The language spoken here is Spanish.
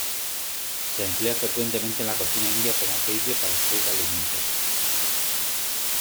Se emplea frecuentemente en la cocina india como aceite para freír alimentos.